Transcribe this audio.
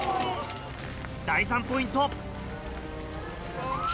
第３ポイント。